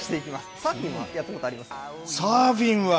サーフィンはやったことあります？